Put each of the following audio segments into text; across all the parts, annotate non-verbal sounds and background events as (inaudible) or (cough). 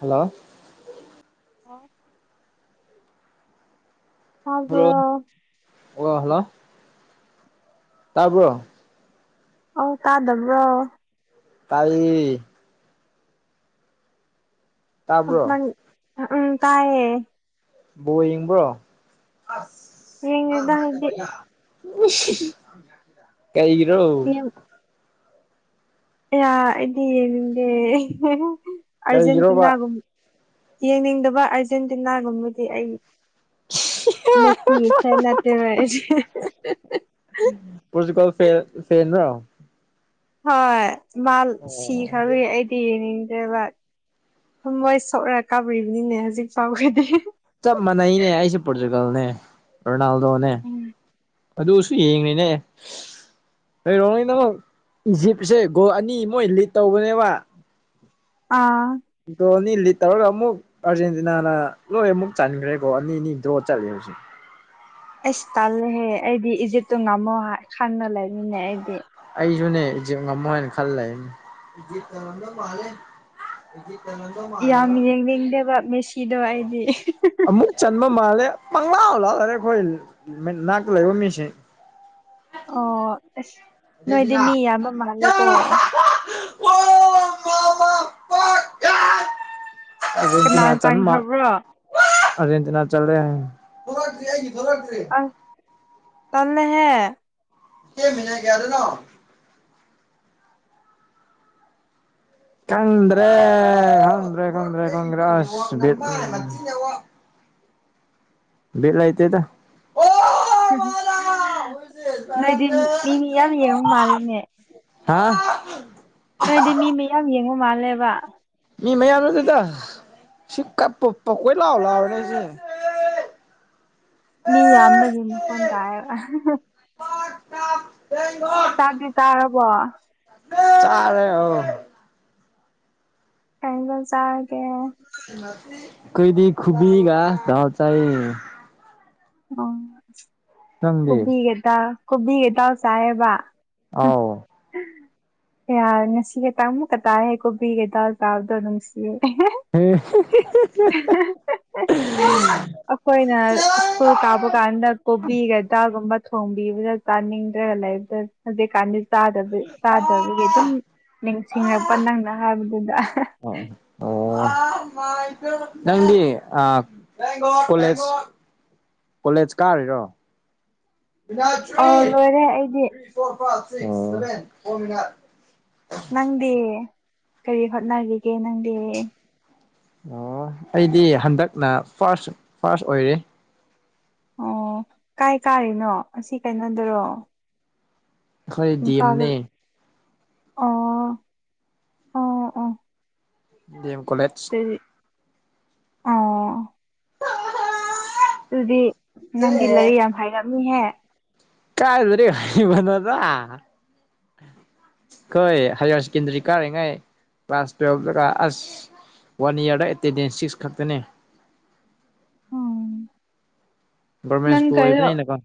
hello ꯑꯣꯥ hello ꯑ ꯑꯣ ꯍꯜꯂꯣ ꯇꯔꯕꯣ ꯑ ꯇꯥꯗꯕ꯭ꯔꯣ ꯇꯥꯏ ꯃ ꯇꯥꯕ꯭ꯔꯣ ꯎꯝ ꯀꯥꯏꯌꯦ ꯕꫭꯜ ꯌꯦꯡꯕꯔꯦ ꯌꯦꯡꯗꯦꯗ ꯑꯩꯗꯤ ꯀꯩꯒꯤꯔꯣ ꯑꯩꯗꯤ ꯌꯦꯡꯅꯤꯡꯗꯦ ꯀꯩꯒꯤꯔꯣꯕ ꯑꯔꯖꯦꯟꯇꯤꯅꯥꯒꯨꯝꯕ ꯌꯦꯡꯅꯤꯡꯗꯕ ꯑꯥꯔꯖꯦꯟꯇꯤꯅꯥꯒꯨꯝꯕꯗꯤ ꯑꯩ ꯂ ꯄꯦꯂ ꯇ ꯋꯥꯔ ꯄꯣꯔꯆꯨꯒꯜ ꯐ ꯐꯦꯟ ꯔ ꯍꯣꯏ ꯃꯥꯜ ꯑꯣ ꯁꯤꯈꯔ ꯇꯤꯅꯤꯡꯗ꯭ꯔꯦꯕ ꯊꯨꯝ ꯃꯣꯏ ꯁꯣꯛꯂ ꯀꯥꯔꯤꯕꯅꯤꯅꯦ ꯍꯧꯖꯤꯛ ꯐꯥꯎꯈꯗꯤ ꯆ ꯃꯅꯏꯅꯦ ꯑꯩꯁꯨꯦ ꯄꯣꯣꯔꯇꯨꯒꯜꯅꯦ ꯔꯣꯅꯥꯜꯗꯣꯅꯦ ꯑꯗꯨꯁꯨ ꯌꯦꯡꯅꯤꯅꯦ ꯍꯔꯣ ꯅꯅꯃꯛ ꯏꯖꯤꯞꯁꯦ ꯒꯣꯜ ꯑꯅꯤ ꯃꯣꯏ ꯂꯤꯠ ꯇꯧꯕꯅꯦꯕ (inaudible) ꯑꯥ ꯅꯤ ꯂꯤ ꯇꯔꯔ ꯑꯃꯨꯛ ꯑꯔꯖꯦꯟꯇꯤꯅꯥꯅ ꯂꯣꯏ ꯑꯃꯨꯛ ꯆꯥꯟꯈ꯭ꯔꯦꯀꯣ ꯑꯅꯤ ꯑꯅꯤ ꯗ꯭ꯔꯣ ꯆꯠꯂꯦ ꯍꯧꯖꯤꯛ ꯑꯁ ꯇꯜꯂꯦꯍꯦ ꯑꯩꯗꯤ ꯏꯖꯤꯞꯇꯨ ꯉꯝꯃꯣ ꯍꯥꯏ ꯈꯪꯅ ꯂꯩꯅꯤꯅꯦ ꯑꯩꯗꯤ ꯑꯩꯁꯨꯨꯅꯦ ꯉꯝꯃꯣ ꯍꯥꯏ ꯈꯜꯂꯦ ꯏꯖꯤꯠ ꯇꯗꯣ ꯃꯥ ꯏꯖꯤꯠ ꯇꯗ ꯌꯥꯝ ꯌꯦꯡꯅꯤꯡꯗꯕ ꯃꯦꯁꯤꯗꯣ ꯑꯩꯗꯤ ꯑꯃꯨꯛ ꯆꯟꯕ ꯃꯥꯜꯂꯦ ꯄꯪꯂꯥ ꯂꯥꯜꯂꯔꯦ ꯑꯩꯈꯣꯏ ꯅꯥꯛꯇ ꯂꯩꯕ ꯃꯤꯁꯦ ꯑꯣ ꯑꯁ ꯅꯣꯏꯗꯤ ꯃꯤ ꯑꯔꯖꯦꯟꯇꯤꯅꯥ ꯌꯥꯝꯌꯥꯝꯕ ꯌꯥ ꯃꯥꯜꯂꯦꯀꯣ ꯑꯣ ꯃꯃꯥ ꯀꯅꯥ ꯑꯗꯨꯦꯟꯇꯅ ꯆ ꯃꯥ ꯆꯪꯈ꯭ꯔꯕ꯭ꯔꯣ ꯑꯖꯤꯟꯇꯅꯥ ꯆꯜꯔꯦ ꯑ ꯇꯅꯍꯦ ꯀ ꯃꯅꯦ ꯀꯦꯗꯅꯣ ꯀꯗ꯭ꯔꯦ ꯍꯗ꯭ꯔꯦ ꯀꯗ꯭ꯔꯦ ꯀꯗ꯭ꯔꯦ ꯑꯁꯠ ꯕꯂ ꯑꯥꯏꯇꯗ ꯅꯣꯏꯗꯤ ꯃꯤ ꯃꯤ ꯌꯥꯝ ꯌꯦꯡꯉꯨ ꯃꯥꯜꯂꯤꯅꯦ ꯍꯥ ꯅꯣꯏꯗꯤ ꯃꯤ ꯃꯌꯥꯝ ꯌꯦꯡꯕꯨ ꯃꯥꯜꯂꯦꯕ ꯃꯤ ꯃꯌꯥꯝ ꯑꯗꯨ ꯑꯗꯨꯗ ꯁꯤ ꯀꯞꯄꯄ ꯀꯣꯏ ꯂꯥꯛꯑꯣ ꯂꯥꯛꯑꯣꯅꯦ ꯑꯩꯁꯦ ꯃꯤ ꯌꯥꯝꯕꯒꯤ ꯃꯈꯣꯟ ꯇꯥꯏꯕ ꯆꯥꯛꯇꯤ ꯆꯥꯔꯕꯣ ꯆꯥꯔꯦ ꯑꯣ ꯀꯩ ꯏꯖꯥꯡ ꯆꯥꯔꯒ‌ꯦ ꯀꯣꯏꯗꯤ ꯈꯨꯕꯤꯒ ꯊꯥꯎ ꯆꯥꯏꯌ‌ꯦ ꯑꯣ ꯅꯪꯗꯤ ꯀꯣꯕꯤꯒꯗꯥꯜ ꯀꯣꯕꯤꯒꯗꯥꯜ ꯆꯥꯏꯌꯦꯕ ꯑꯥꯎ ꯌꯥꯔꯦ ꯉꯁꯤꯒ ꯇꯃꯨꯛ ꯀꯗꯥꯥꯏ ꯌ‌ꯦ ꯀꯣꯕꯤꯒ ꯗꯥꯜ ꯇꯥꯕꯗꯣ ꯅꯨꯡꯁꯤꯌ‌ꯦ ꯑꯩꯈꯣꯏꯅ ꯁꯀꯨꯜ ꯀꯥꯕ ꯀꯥꯟꯗ ꯀꯣꯕꯤꯒ ꯗꯥꯜꯒꯨꯝꯕ ꯊꯣꯡꯕꯤꯕꯗ ꯆꯥꯅꯤꯡꯗ꯭ꯔꯒ ꯂꯩꯕꯗ ꯍꯧꯖꯤꯛꯀꯥꯟꯗꯤ ꯇꯥꯗꯕꯒꯤ ꯇꯥꯗꯕꯒꯤ ꯑꯗꯨꯝ ꯅꯤꯡ ꯁꯤꯡꯜꯛꯄ ꯅꯪꯅ ꯍꯥꯏꯕꯗꯨꯗ ꯑꯣ ꯑꯣ ꯅꯪꯗꯤ ꯑ ꯀꯣꯂꯦꯖ ꯀꯣꯂꯦꯖ ꯀꯥꯔꯤꯔꯣ ꯑꯣ ꯑꯥꯎ ꯂꯣꯏꯔꯦ ꯑꯩꯗꯤ ꯅꯪꯗꯤ ꯀꯔꯤ ꯍꯣꯠꯅꯔꯤꯒꯦ ꯅꯪꯗꯤ ꯑꯣ ꯑꯩꯗꯤ ꯍꯟꯗꯛꯅ ꯐꯥꯔꯁ ꯐꯥꯔꯁ ꯑꯣꯏꯔꯦ ꯑꯣ ꯀꯥꯏ ꯀꯥꯔꯤꯅꯣ ꯑꯁꯤ ꯀꯩꯅꯣꯗꯨꯔꯣ ꯑꯩꯈꯣꯤ ꯗꯤ ꯏꯝꯐꯥꯜ ꯍꯨ ꯑꯦꯝꯅꯦ ꯑꯣ ꯑꯣ ꯑꯣ ꯗ‌ꯦꯝ ꯑꯣ ꯑꯗꯨꯗꯤ ꯅꯪꯗꯤ ꯂꯔꯤꯛ ꯌꯥꯝ ꯍꯥꯏꯔꯝꯅꯤꯍꯦ ꯀꯥꯏꯕꯗꯤ ꯍꯩꯕꯅꯣꯗ ꯈ‌ꯣꯏ ꯍꯥꯏꯌ꯭ꯔ ꯁꯦꯀꯦꯟꯗꯔꯤ ꯀꯥꯔꯤꯉꯩ ꯀ꯭ꯂꯥꯁ ꯇꯨꯋꯦꯜꯇꯒ ꯑꯁ ꯋꯥꯟ ꯏꯌꯥꯔꯗ ꯑꯦꯇꯦꯟꯗꯦꯟꯁ ꯁꯤꯛꯁ ꯈꯛꯇꯅꯦ ꯎꯝ ꯒꯣꯔꯃꯦꯟ ꯅꯪ ꯁ꯭ꯀꯨꯜ ꯀꯩꯅ‌ꯣ ꯑꯣꯏꯕꯅꯤꯅꯀꯣ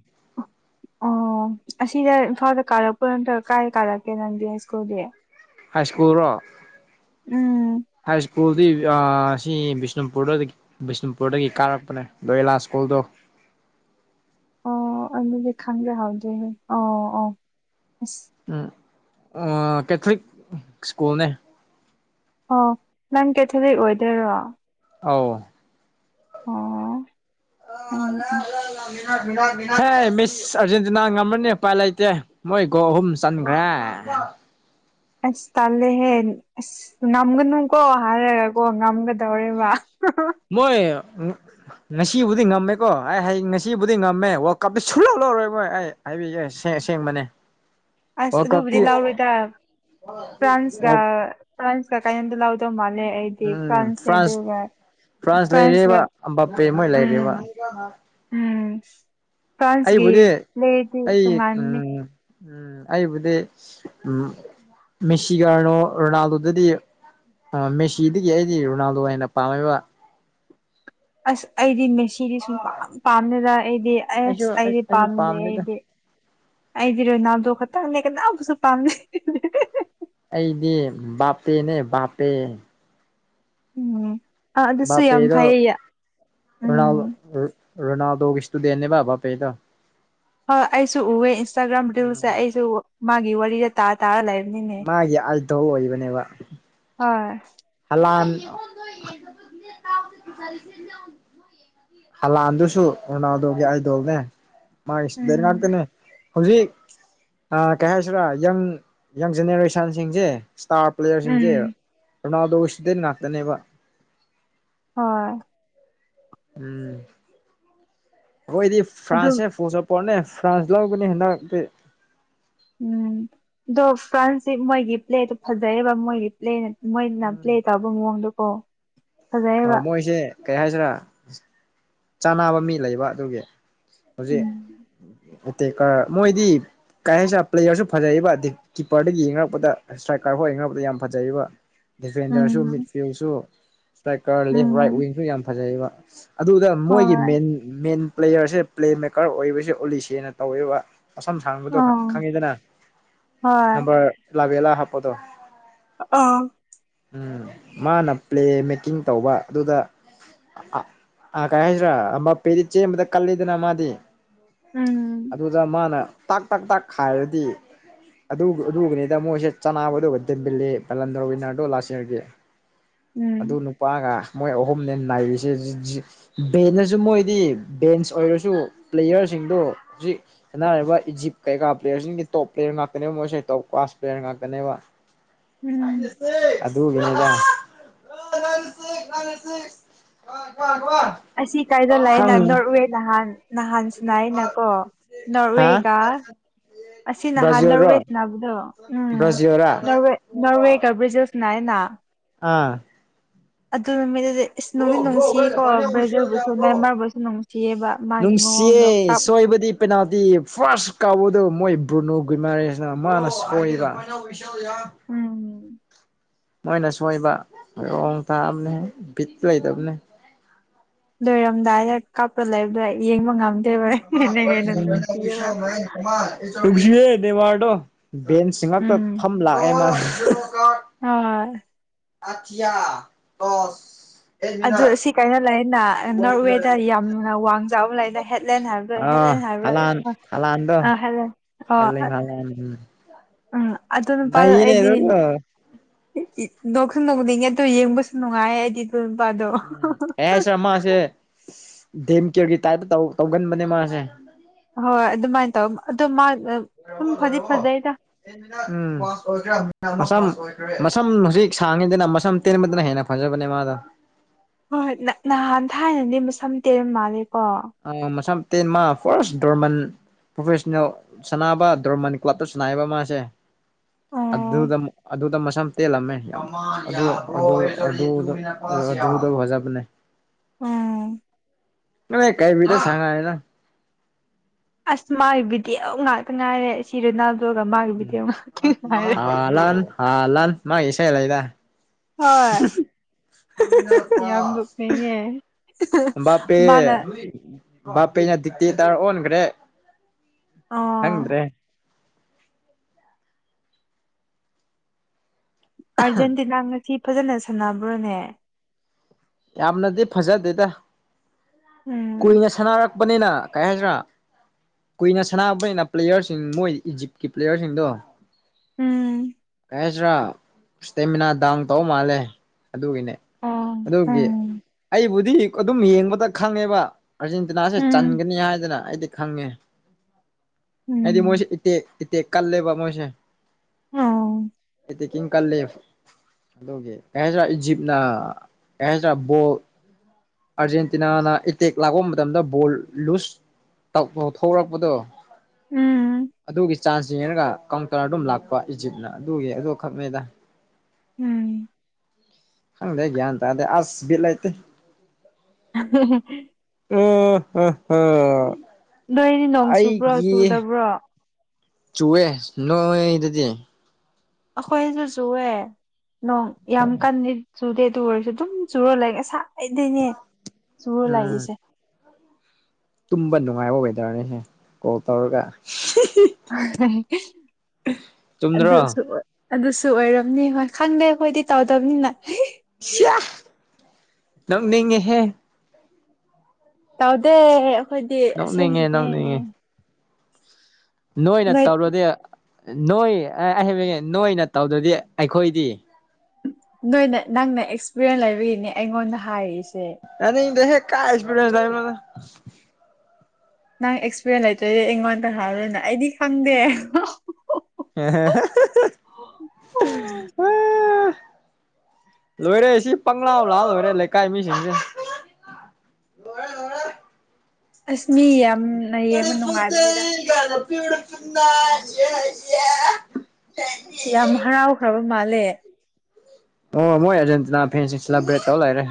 ꯑꯣ ꯑꯁꯤꯗ ꯏꯝꯐꯥꯜꯗ ꯀꯥꯔꯛꯄ꯭ꯔꯣ ꯅꯠꯇ꯭ꯔꯒ ꯀꯥꯏ ꯀꯥꯔꯛꯀꯦ ꯅꯪꯗꯤ ꯍꯥꯏ ꯁ꯭ꯀꯨꯜꯗꯤ ꯍꯥꯏ ꯁꯀꯨꯜ ꯔ‌ꯣ ꯎꯝ ꯍꯥꯏ ꯁꯀꯨꯜꯗꯤ ꯑꯁꯤ ꯕꯤꯁꯅꯨꯄꯨꯔꯗ ꯕꯤꯁꯅꯨꯄꯨꯔꯗꯒꯤ ꯀꯥꯔꯛꯄꯅꯦ ꯗꯣ ꯑꯦꯂꯥ ꯁ꯭ꯀꯨꯜꯗꯣ ꯑꯣ ꯑꯗꯨꯗꯤ ꯈꯪꯗ꯭ꯔꯦ ꯍꯥꯎꯗꯦꯍꯦ ꯑꯣ ꯑꯣ ꯑꯁ ꯑ‌ ꯀꯦꯊꯣꯂꯤꯛ ꯁ꯭ꯀꯨꯜꯅꯦ ꯑꯣ ꯅꯪ ꯀꯦꯊꯂꯤꯛ ꯑꯣꯏꯗꯣꯏꯔꯣ ꯑꯧ ꯑꯣ ꯍꯦ ꯃꯤꯁ ꯑꯥꯔꯖꯦꯟꯇꯤꯅꯥ ꯉꯝꯃꯅꯤ ꯎꯄꯥꯏ ꯂꯩꯇꯦ ꯃꯣꯏ ꯒꯣ ꯑꯍꯨꯝ ꯆꯟꯈ꯭ꯔꯦ ꯑꯁ ꯇꯜꯂꯦ ꯍꯦ ꯉꯝꯒꯅꯨ ꯀꯣ ꯍꯥꯏꯔꯒ ꯀꯣ ꯉꯝꯒꯗꯧꯔꯦꯕ ꯃꯣꯏ ꯎ ꯉꯁꯤꯕꯨꯗꯤ ꯉꯝꯃꯦꯀꯣ ꯑꯩ ꯍꯌꯦꯡ ꯉꯁꯤꯕꯨꯗꯤ ꯉꯝꯃꯦ ꯋꯥꯜ ꯀꯞꯇꯤ ꯁꯨꯜꯂꯧ ꯂꯧꯔꯣꯏ ꯃꯣꯏ ꯑꯩ ꯍꯥꯏꯕꯤꯒ‌ꯦ ꯁꯦꯡ ꯁꯦꯡꯕꯅꯦ ꯑꯁ ꯑꯗꯨꯕꯨꯗꯤ ꯂꯥꯎꯔꯣꯏꯗ ꯐ꯭ꯔꯥꯟꯁꯀ ꯐ꯭ꯔꯥꯁꯀ ꯀꯩꯅ‌ꯣꯗ‌ꯣ ꯂꯥꯎꯗ‌ꯣ ꯃꯥꯜꯂ‌ꯦ ꯑꯩ ꯎꯝ ꯐ‍‌꯭ꯔꯥꯁꯅ‌ꯦ ꯐ꯭ꯔꯥꯟꯁ ꯑꯗꯨꯒꯒ ꯐ꯭ꯔꯥꯟꯁ ꯐꯥꯟꯁꯒ ꯂꯩꯔꯦꯕ ꯑꯝꯕꯥꯄꯦ ꯃꯣꯏ ꯎꯝ ꯂꯩꯔꯦꯕ ꯎꯝ ꯐ꯭ꯔꯥꯟꯁꯒꯤ ꯑꯩꯕꯨꯗꯤ ꯄ꯭ꯂ‌ꯦꯗꯤ ꯑꯩ ꯇꯣꯉꯥꯟꯅꯤ ꯎꯝ ꯎꯝ ꯑꯩꯕꯨꯗꯤ ꯎꯝ ꯃꯦꯁꯤꯒꯥꯔꯅꯣ ꯔꯣꯅꯥꯜꯗꯣꯗꯗꯤ ꯑ ꯃꯦꯁꯤꯗꯒꯤ ꯑꯩꯗꯤ ꯔꯣꯅꯥꯜꯗꯣ ꯍꯦꯟꯅ ꯄꯥꯝꯃ‌ꯦꯕ ꯑꯁ ꯑꯩꯗꯤ ꯃꯦꯁꯤꯗꯤ ꯁꯨꯡ ꯄꯥꯝ ꯑꯩꯁꯨ ꯄꯥꯝꯅ‌ꯦꯗ ꯑꯩꯗꯤ ꯑꯁ ꯑꯩꯗꯤ ꯑꯩꯁꯨ ꯄꯥꯝꯗꯦ ꯄꯥꯝꯗꯦꯗ ꯑꯩꯗꯤ ꯑꯩꯗꯤ ꯔꯣꯅꯥꯎꯗꯣ ꯈꯛꯇꯪꯅꯦ ꯀꯅꯥꯕꯨꯁꯨ ꯄꯥꯝꯗ‌ꯦ ꯑꯩꯗꯤ ꯕꯥꯞꯄꯦꯅꯦ ꯕꯥꯞꯄꯦ ꯎꯝ ꯑ ꯑꯗꯨꯁꯨ ꯌꯥꯝ ꯐꯩꯌꯦꯌꯦ ꯎꯝ (inaudible) ꯔꯅꯥꯗꯣ ꯀꯁꯇꯨꯗꯦꯟꯅꯦꯕꯕꯥꯕꯕꯥ ꯄꯩꯗ ꯍꯣꯏ ꯑꯩꯁꯨ ꯎꯑꯦ ꯏꯟꯁꯇꯥꯒ꯭ꯔꯥꯝ ꯔꯤꯜꯁꯁꯦ ꯎꯝ ꯑꯩꯁꯨ ꯃꯥꯒꯤ ꯋꯥꯔꯤꯗ ꯇꯥ ꯇꯥ ꯂꯩꯥꯏꯅꯤꯅꯦ ꯃꯥꯒꯤ ꯑꯥꯏꯗꯣꯜ ꯍꯣꯏ ꯍꯥꯂꯥꯟ ꯂꯥꯟꯗꯨꯁꯨ ꯑꯣꯅꯥꯎꯗꯧꯒꯦ ꯑꯩꯗꯧꯅꯦ ꯃꯥꯒꯤ ꯗ ꯎꯝ ꯉꯥꯛꯇꯅꯦ ꯍꯧꯖꯤꯛ ꯀꯩ ꯍꯥꯏꯁꯤꯔꯥ ꯌꯪ ꯌꯪ ꯖꯦꯅꯦꯔꯦꯁꯟꯁꯤꯡꯁꯦ ꯏꯁꯇꯥꯔ ꯎꯝ ꯄ꯭ꯂꯦꯌꯔꯁꯤꯡꯁꯦ ꯑꯗꯨꯅꯥꯎꯗꯣꯁꯤꯗ ꯉꯥꯛꯇꯅꯦꯕ ꯍꯣꯏ ꯎꯝ ꯑꯩꯈꯣꯏꯗꯤ ꯑꯗꯨ ꯐ꯭ꯔꯥꯟꯁꯁꯦ ꯄꯨꯨꯁꯄꯣꯔꯠꯅꯦ ꯐ꯭ꯔꯥꯟꯁ ꯂꯧꯒꯅꯤ ꯍꯟꯗꯛꯇꯤ ꯎꯝ ꯑꯗꯣ ꯐ꯭ꯔꯥꯟꯁꯤ ꯃꯣꯏꯒꯤ ꯄ꯭ꯂꯦꯗꯣ ꯐꯖꯩꯑꯕ ꯃꯣꯏꯒꯤ ꯄ꯭ꯂꯦꯅ ꯃꯣꯏꯅ ꯄ꯭ꯂꯦ ꯇꯧꯕ ꯃꯑꯣꯡꯗꯣꯀꯣ ꯑ ꯐꯖꯩꯌꯦꯕ ꯃꯣꯏꯁꯦ ꯀꯩ ꯍꯥꯏꯁꯤꯔꯥ ꯆꯥꯅꯕ ꯃꯤ ꯂꯩꯕ ꯑꯗꯨꯒꯤ ꯎꯝ ꯍꯧꯖꯤꯛꯀꯔ ꯃꯣꯏꯗꯤ ꯀꯥ ꯍꯁ ꯄ꯭ꯂꯦꯌꯔꯁꯨ ꯐꯖꯩꯕ ꯗꯤ ꯀꯤꯞꯄꯔꯗꯒꯤ ꯌꯦꯡꯅꯔꯛꯄꯗ ꯏꯁ꯭ꯇ꯭ꯔꯥꯏꯀꯔ ꯍꯣꯏꯅꯕꯗ ꯌꯥꯝ ꯐꯖꯩꯔꯤꯕ ꯗꯤꯐꯦꯟꯗꯔꯁꯨ ꯃꯤꯗ ꯎꯝ ꯐꯤꯜꯁꯨ ꯏꯁꯇ꯭ꯔꯥꯏꯀꯔ ꯂꯦꯐ ꯔꯥꯏꯠ ꯎꯝ ꯋꯤꯡꯁꯨ ꯌꯥꯝ ꯐꯖꯩꯌꯦꯕ ꯑꯗꯨꯗ ꯃꯣꯏꯒꯤ ꯍꯣꯏ ꯃꯦꯟ ꯃꯦꯟ ꯄ꯭ꯂꯦꯌꯔꯁꯦ ꯄ꯭ꯂꯦ ꯃꯦꯀꯔ ꯑꯣꯏꯕꯁꯦ ꯑꯣꯂꯤꯁꯦꯅ ꯇꯧꯋꯦꯕ ꯑꯁꯝ ꯁꯥꯡꯕꯗꯣ ꯑꯥ ꯈꯪꯉꯤꯗꯅ ꯍꯣꯏ ꯅꯝꯕꯔ ꯂꯥꯕꯦꯜꯂꯥ ꯍꯥꯞꯄꯗꯣ ꯑꯥ ꯃꯥꯅ ꯄ꯭ꯂꯦ ꯃꯦꯀꯤꯡ ꯇꯧꯕ ꯑꯗꯨꯗ ꯑꯥ ꯀꯥꯏ ꯍꯥꯏꯁꯤꯔꯥ ꯑꯝꯕꯄꯦꯗꯤ ꯆꯦꯟꯕꯗ ꯀꯜꯂꯤꯗꯅ ꯃꯥꯗꯤ ꯎꯝ ꯑꯗꯨꯗ ꯃꯥꯅ ꯇꯥꯛ ꯇꯥꯛ ꯇꯛ ꯈꯥꯏꯔꯗꯤ ꯑꯗꯨ ꯑꯗꯨꯒꯤꯅꯤꯗ ꯃꯣꯏꯁꯦ ꯆꯅꯕꯗꯨꯕ ꯗꯦꯝꯕꯤꯜꯂꯤ ꯕꯂꯟꯗꯔ ꯋꯤꯟꯅꯔꯗꯣ ꯂꯥꯁ ꯏꯌꯥꯔꯒꯤ ꯑꯗꯨ ꯎꯝ ꯅꯨꯄꯥꯒ ꯃꯣꯏ ꯑꯍꯨꯝꯅꯦ ꯅꯥꯏꯔꯤꯁꯦ ꯕꯦꯟꯅꯁꯨ ꯃꯣꯏꯗꯤ ꯕꯦꯟꯁ ꯑꯣꯏꯔꯁꯨ ꯄ꯭ꯂꯦꯌꯔꯁꯤꯡꯗꯣ ꯍꯧꯖꯤꯛ ꯑꯅꯥꯔꯤꯕ ꯏꯖꯤꯞ ꯀꯩꯀꯥ ꯄ꯭ꯂꯦꯌꯔꯁꯤꯡꯒꯤꯗꯤ ꯇꯣꯞ ꯄ꯭ꯂꯦꯌꯔ ꯉꯥꯛꯇꯅꯦꯕ ꯃꯣꯏꯁꯦ ꯇꯣꯞ ꯀ꯭ꯂꯥꯁ ꯄ꯭ꯂꯦꯌꯔ ꯉꯥꯛꯇꯅꯦꯕ (inaudible) ꯎꯝ ꯑꯗꯒꯅꯤꯂ ꯔꯅꯤꯁꯤ ꯀ ꯀ ꯀ ꯑꯁꯤ ꯀꯥꯏꯗ ꯂꯩꯏꯅ ꯅꯣꯔꯋꯦ ꯅꯍꯥꯟ ꯅꯍꯥꯟꯁꯤꯅꯏꯅꯀꯣ ꯍꯥ ꯅꯣꯔꯋꯦꯒ ꯑꯁꯤ ꯅꯍꯥꯟ ꯕ꯭ꯔꯥꯖꯤꯜꯔꯣ ꯅꯣꯔꯋꯦꯁꯤ ꯅꯥꯕꯗꯣ ꯎꯝ ꯕ꯭ꯔꯥꯖꯤꯜꯔꯥ ꯅꯋꯦ ꯅꯣꯔꯋꯦꯒ ꯕ꯭ꯔꯖꯤꯜ ꯅꯅ ꯑꯥ ꯑꯗꯨ ꯃ ꯏꯁ ꯅꯨꯃꯤꯠ ꯅꯨꯡꯁꯤꯌꯦꯀꯣ ꯕ꯭ꯔꯥꯖꯤꯜꯕꯨꯁꯨ ꯃꯦꯟꯃꯥꯔꯕꯨꯁꯨ ꯅꯨꯡꯁꯤꯌꯦꯕ ꯃꯥꯒꯤ ꯃꯑꯣꯡꯗꯣ ꯅꯨꯡꯁꯤꯌꯦ ꯀꯞ ꯁꯣꯏꯕꯗꯤ ꯄꯦꯅꯥꯜꯇꯤ ꯐꯥꯔꯁ ꯀꯥꯎꯕꯗ ꯃꯣꯏ ꯕ꯭ꯔꯨꯅꯨ ꯒꯣꯏꯃꯔꯦꯁꯤꯅ ꯃꯥꯅ ꯁꯣꯏꯕ ꯍ ꯌꯥ ꯎꯝ ꯃꯣꯏꯅ ꯁꯣꯏꯕ ꯂꯣꯡ ꯇꯥꯛꯑꯕꯅꯦ ꯚꯤꯠ ꯂꯩꯗꯕꯅꯦ ꯂꯣꯏꯔꯝꯗꯥꯏꯗ ꯀꯥꯞꯄ ꯂꯩꯕꯗꯣ ꯌꯦꯡꯕ ꯉꯝꯗꯦꯕ ꯍꯦꯟꯅ ꯍꯦꯟꯅ ꯅꯨꯡꯁꯤꯌꯦꯕ ꯂꯨꯁꯤꯑꯦ ꯗꯦꯋꯥꯔꯗꯣ ꯕꯦꯟꯁꯤ ꯉꯥꯛꯇ ꯐꯝ ꯂꯥꯛꯑꯦ ꯃꯥ ꯑ ꯑꯊꯌꯥ ꯇꯁ ꯑꯗꯨ ꯁꯤ ꯀꯥꯏꯩꯅꯣ ꯂꯩꯅ ꯅꯣꯔꯠꯋꯦꯗ ꯌꯥꯝꯅ ꯋꯥꯡꯖꯥꯕ ꯂꯩꯅ ꯍ ꯍꯦꯠꯂ ꯍꯥꯏꯕ꯭ꯔꯣꯏ ꯑꯥ ꯍꯦꯂꯦꯟ ꯍꯥꯏꯣꯏ ꯍꯂꯥꯟ ꯑ ꯍꯂꯥꯟꯗꯣ ꯑ ꯍꯦꯂꯦꯟ ꯑ ꯑꯔꯂꯤꯡ ꯍꯂꯥꯟ ꯎꯝ ꯑꯗꯨ ꯅꯨꯄꯥ ꯅꯩꯌꯦꯅꯦ ꯑꯩꯗꯤ ꯑꯗꯨꯒ ꯅꯣꯛꯁꯨ ꯅꯣꯛꯅꯤꯡꯉꯦ ꯑꯗꯨꯗꯣ ꯌꯦꯡꯕꯁꯨ ꯅꯨꯡꯉꯥꯏ ꯑꯩꯗꯤ ꯏꯜ ꯅꯨꯄꯥꯗꯣ ꯑꯦ ꯁꯥꯔ ꯃꯥꯁꯦ ꯗꯦꯝ ꯀꯤꯌꯔꯒꯤ ꯇꯥꯏꯞꯇꯧ ꯇꯧꯒꯟꯕꯅꯦ ꯃꯥꯁꯦ ꯍꯣꯏ ꯑꯗꯨꯃꯥꯏꯅ ꯇꯧ ꯑꯗꯣ ꯑꯗꯨꯝ ꯂꯣꯏꯔꯔꯕꯣ ꯐꯗꯤ ꯂꯣꯏꯔꯔꯕꯣ ꯐꯖꯩꯗ ꯎꯝ ꯃꯝ ꯃꯝ ꯍꯧꯖꯤꯛ ꯁꯥꯡꯉꯤꯗꯅ ꯃꯁꯝ ꯇꯦꯟ ꯃꯅ ꯍꯥꯏꯅ ꯐꯪꯖꯕꯅꯦ ꯃꯥꯗ ꯍꯣꯏ ꯅꯍꯥꯟ ꯊꯥꯏꯅꯅꯦ ꯃꯁꯝ ꯇꯦꯜꯔ ꯃꯥꯜꯂꯦꯀꯣ ꯁꯝ ꯇꯦꯟ ꯃꯥ ꯐꯥꯔꯁ ꯗꯔꯃꯟ ꯄ꯭ꯔꯣꯐꯦꯁꯅꯦꯜ ꯁꯥꯟꯅꯕ ꯗꯣꯔꯃꯟ ꯀ꯭ꯂꯞꯇ ꯁꯥꯟꯅꯥꯕ ꯃꯥꯁꯦ ꯑꯣ ꯑꯗꯨꯗ ꯑꯗꯨꯗ ꯃꯁꯝ ꯇꯦꯜꯂꯝꯃꯦ ꯍ ꯑꯗꯨ ꯗꯧ ꯍꯖꯕꯅꯦ ꯑꯣꯝ ꯀꯥꯏ ꯃꯤꯕꯤꯂ ꯁꯥꯡꯉꯦꯅ ꯑꯁ ꯃꯥꯒꯤ ꯚꯤꯗꯤꯑꯣ ꯉꯥꯛꯇ ꯉꯥꯏꯔꯦ ꯁꯤ ꯔꯣꯅꯥꯜꯗꯣꯒ ꯃꯥꯒꯤ ꯚꯤꯗꯤꯑꯣ ꯉꯥꯛꯇ ꯉꯥꯏꯔꯦ ꯂꯍꯥꯟ ꯍꯥ ꯂꯥꯟ ꯃꯥꯁ ꯂꯩꯗ ꯍꯣꯏ ꯌꯥꯝ ꯅꯣꯛꯅꯤꯡꯉꯦ ꯄꯦ ꯃꯥꯅ ꯕꯥꯄꯦꯅꯅꯗꯤꯇ ꯇ ꯍꯟꯒꯔꯦ ꯑꯣ ꯍꯪꯗ꯭ꯔꯦ ꯑꯥꯔꯖꯦꯟꯇꯤꯅꯥ ꯉꯁꯤ ꯐꯖꯅ ꯁꯥꯟꯅꯕ꯭ꯔꯣꯅꯦ ꯌꯥꯝꯅꯗꯤ ꯐꯖꯗꯦꯗ ꯎꯝ ꯀꯨꯏꯅ ꯁꯥꯟꯅꯔꯛꯄꯅꯤꯅ ꯀꯩ ꯍꯥꯏꯁꯤ꯭ꯔꯥ ꯀꯨꯏꯅ ꯁꯥꯟꯅꯥꯕꯅꯤꯅ ꯄ꯭ꯂꯦꯌꯔꯁꯤꯡ ꯃꯣꯏ ꯏꯖꯤꯞꯀꯤ ꯄ꯭ꯂꯦꯌꯔꯁꯤꯡꯗꯣ ꯎꯝ ꯀꯩ ꯍꯥꯏꯁꯤꯔꯥ ꯏꯁꯇꯦꯃꯤꯅꯥ ꯗꯥꯎꯟ ꯇꯧ ꯃꯥꯜꯂꯦ ꯑꯗꯨꯒꯤꯅꯦ ꯑꯣ ꯑꯗꯨꯒꯤ ꯎꯝ ꯑꯩꯕꯨꯗꯤ ꯑꯗꯨꯝ ꯌꯦꯡꯕꯗ ꯈꯪꯉꯦꯕ ꯑꯥꯔꯖꯦꯟꯇꯤꯅꯥꯁꯦ ꯎꯝ ꯆꯟꯒꯅꯤ ꯍꯥꯏꯗꯅ ꯑꯩꯗꯤ ꯈꯪꯉꯦ ꯑꯩꯗꯤ ꯎꯝ ꯃꯣꯏꯁꯤꯦ ꯏꯇꯦꯛ ꯏ ꯀꯜꯂꯕ ꯃꯣꯏꯁꯦ ꯑꯣ ꯇꯦꯛꯀꯤꯡ ꯀꯂꯦ ꯑꯗꯨꯒꯤ ꯀꯩꯗ꯭ꯔꯥ ꯏꯖꯤꯞꯅ ꯌꯥꯗ꯭ꯔꯥ ꯕꯣꯜ ꯑꯥꯔꯖꯦꯟꯇꯤꯅꯥꯅ ꯏꯇꯦꯛ ꯂꯥꯛꯄ ꯃꯇꯝꯗ ꯕꯣꯜ ꯂꯨꯁ ꯊꯔꯛꯄꯗꯣ ꯎꯝ ꯑꯗꯨꯒꯤ ꯆꯥꯟꯁꯁꯤꯅꯦꯅꯒ ꯀꯥꯎꯟꯇꯔ ꯑꯗꯨꯝ ꯂꯥꯛꯄ ꯏꯖꯤꯞꯅ ꯑꯗꯨꯒꯤ ꯑꯗꯨꯣ ꯈꯛꯅꯦꯗ ꯎꯝ ꯍꯪ ꯂꯩꯒꯦ ꯑꯗ ꯑꯁꯕꯤꯠꯂꯇ (unintelligible) ꯎ ꯎꯥ ꯅꯣꯗꯤ ꯅꯣꯡ ꯆꯨꯕ꯭ꯔꯣ ꯆꯨꯗꯕ꯭ꯔꯣ ꯆꯨꯑꯦ ꯅꯣꯏ ꯑꯗꯨꯗꯤ ꯑꯩꯈꯣꯏꯁꯨ ꯆꯨꯑꯦ ꯅꯣꯡ ꯌꯥꯝ ꯀꯟꯅ ꯆꯨꯗꯦ ꯇ ꯑꯣꯏꯔꯁꯨ ꯑꯗꯨꯝ ꯆꯨꯔ ꯂꯩꯦ ꯉꯁꯥꯏꯗꯩꯅꯦ ꯆꯨꯔ ꯎꯝ ꯂꯥꯛꯏꯁꯦ ꯇꯨꯝꯕ ꯅꯨꯡꯉꯥꯏꯕ ꯋꯦꯗꯔꯅꯤꯁꯦ ꯀꯣꯜ ꯇꯧꯔꯒ ꯆꯨꯝꯗ꯭ꯔꯣ ꯑꯗꯨꯁꯨ ꯑꯗꯨꯁꯨ ꯑꯣꯏꯔꯝꯅꯤ ꯍꯣꯏ ꯈꯪꯗꯦ ꯑꯩꯈꯣꯏꯗꯤ ꯇꯧꯗꯕꯅꯤꯅ ꯅꯪꯅꯤꯡꯉꯦꯍꯦ ꯇꯧꯗꯦ ꯑꯩꯈꯣꯏꯗꯤ ꯑꯁꯦꯡꯁꯨꯅꯦꯅꯦ ꯅꯣꯛꯅꯤꯡꯉꯦ ꯅꯣꯏꯅ ꯇꯧꯔꯗꯤ ꯅꯣꯏꯕ ꯅꯣꯏꯅ ꯇꯧꯗ꯭ꯔꯗꯤ ꯑꯩꯈꯣꯏꯗꯤ ꯅꯣꯏꯅ ꯅꯪꯅ ꯑꯦꯛꯁꯄꯤꯔꯤꯌꯦꯟꯁ ꯂꯩꯕꯒꯤꯅꯦ ꯑꯩꯉꯣꯟꯗ ꯍꯥꯏꯔꯤꯏꯁꯦ ꯑꯁꯦ ꯀꯥꯏ ꯑꯦꯛꯁꯄꯤꯔꯤꯟꯁ ꯂꯩ ꯃꯅ ꯅꯪ ꯑꯦꯛꯁꯄꯤꯔꯤꯌꯦꯟꯁ ꯂꯩꯇꯣꯏꯗꯤ ꯑꯩꯉꯣꯟꯗ ꯍꯥꯏꯔꯣꯏꯅ ꯑꯩꯗꯤ ꯈꯪꯗꯦ (unintelligible) ꯂꯣꯏꯔꯦ ꯁꯤ ꯄꯪꯂꯥ ꯂꯥ ꯂꯣꯏꯔꯦ ꯂꯩꯀꯥꯏ ꯃꯤꯁꯤꯡꯁꯦ ꯂꯣꯏꯔꯦ ꯂꯣꯏꯔꯦ ꯑꯁ ꯃꯤ ꯌꯥꯝꯅ ꯌꯦꯡꯕ ꯕ꯭ꯌꯨꯇꯤꯐꯨꯜ ꯅꯨꯡꯉꯥꯏꯕꯅꯤꯗ (unintelligible) ꯌꯥꯝ ꯍꯔꯥꯎꯈ꯭ꯔꯕ ꯃꯥꯜꯂꯦ ꯑꯣ ꯃꯣꯏ ꯑꯦꯔꯖꯦꯟꯇꯤꯅꯥ ꯐꯦꯟꯁꯤꯡꯁꯤꯂ ꯔꯦꯛ ꯇꯧ ꯂꯩꯔꯦ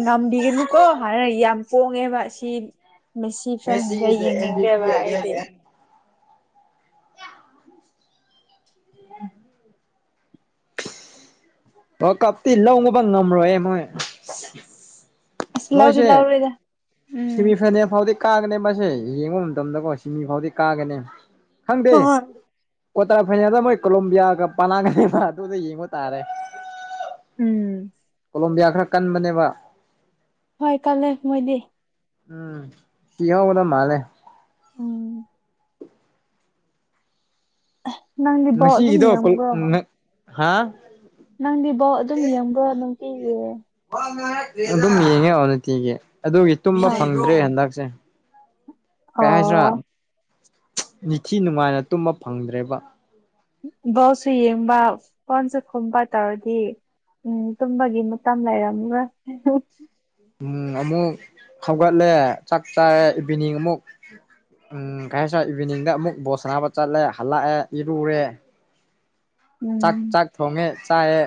ꯉꯝꯕꯤꯒꯅꯨꯀꯣ ꯍꯥꯟꯅ ꯌꯥꯝ ꯄꯣꯡꯉꯦꯕ ꯁꯤ ꯃꯁꯤ ꯃꯦꯁꯤ ꯐꯟꯁꯦ ꯏꯁ ꯗ ꯑꯦꯝ ꯕꯤ ꯄꯤ ꯌꯦꯡꯅꯤꯡꯗꯦꯕ ꯑꯒꯦꯟ ꯑꯩꯗꯤ ꯃꯦꯟ ꯑꯣ ꯀꯞꯇꯤ ꯂꯧꯉꯨꯕ ꯉꯝꯔꯣꯏꯍꯦ ꯃꯣꯏ ꯑꯁ ꯂꯧꯗꯤ ꯃꯣꯏꯁꯦ ꯂꯧꯔꯣꯏꯗ ꯎꯝ ꯁꯤꯃꯤ ꯐꯥꯏꯅꯦꯜ ꯐꯥꯎꯗꯤ ꯀꯥꯒꯅꯤ ꯃꯥꯁꯦ ꯌꯦꯡꯕ ꯃꯇꯝꯗꯀꯣ ꯁꯤꯅꯤ ꯐꯥꯎꯗꯤ ꯀꯥꯒꯅꯤ ꯈꯪꯗꯦ ꯍꯣꯏ ꯍꯣꯏ ꯀ꯭ꯋꯥꯇꯔ ꯐꯥꯏꯅꯦꯜꯗ ꯃꯣꯏ ꯀꯣꯂꯣꯝꯕꯤꯌꯥꯒ ꯄꯅꯥꯒ ꯂꯩꯕ ꯑꯗꯨꯗ ꯌꯦꯡꯕ ꯇꯥꯔꯦ ꯎꯝ ꯀꯣꯂꯣꯝꯕꯤꯌꯥ ꯈꯔ ꯀꯟꯕꯅꯦꯕ ꯍꯣꯏ ꯀꯜꯂꯦ ꯃꯣꯏꯗꯤ ꯎꯝ ꯊꯤꯍ ꯑꯣꯅ ꯃꯥꯂꯦ ꯎꯝ ꯅꯪꯗꯤ ꯕꯣꯜ ꯃꯁꯤꯒꯤ ꯑꯗꯨꯝ ꯏꯗꯣ ꯀ ꯌꯦꯡꯕ꯭ꯔꯣ ꯍꯥ ꯅꯪꯗꯤ ꯕꯣ ꯑꯗꯨꯝ ꯌꯦꯡꯕ꯭ꯔꯣ ꯅꯨꯡꯇꯤꯒꯤ ꯑꯗꯨꯝ ꯌꯦꯡꯉꯦ ꯑꯣ ꯇꯤꯒꯤ ꯑꯗꯨꯒꯤ ꯇꯨꯝꯕ ꯍꯥ ꯐꯪꯗ꯭ꯔꯦ ꯍꯟꯗꯛꯁꯦ ꯀꯩ ꯍꯥꯏꯁꯤ꯭ꯔꯥ ꯑꯣ ꯅꯤꯡꯅꯤꯊꯤ ꯅꯨꯡꯉꯥꯏꯅ ꯇꯨꯝꯕ ꯐꯪꯗ꯭ꯔꯦꯕ ꯕꯣꯜꯁꯨ ꯌꯦꯡꯕ ꯐꯣꯟꯁꯨ ꯈꯨꯝꯕ ꯇꯧꯔꯗꯤ ꯎꯝ ꯇꯨꯝꯕꯒꯤ ꯃꯇꯝ ꯂꯩꯔꯝꯃꯔꫭꯏ ꯎꯝ ꯑꯃꯨꯛ ꯈꯧꯒꯠꯂꯦ ꯆꯥꯛ ꯆꯥꯔꯦ ꯏꯚꯤꯅꯤꯡ ꯑꯃꯨꯛ ꯎꯝ ꯀꯩ ꯍꯥꯏ ꯁꯋꯥꯏ ꯏꯚꯤꯅꯤꯡꯗ ꯑꯃꯨꯛ ꯕꯣꯁ ꯅꯥꯕ ꯆꯠꯂꯦ ꯍꯜꯂꯛꯑꯦ ꯏꯔꯨꯔꯦ ꯆꯥꯛ ꯎꯝ ꯆꯥꯛ ꯊꯣꯡꯉꯦ ꯆꯥꯏꯦ